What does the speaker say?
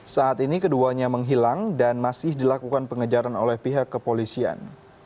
saat ini keduanya menghilang dan masih dilakukan pengejaran oleh pihak kepolisian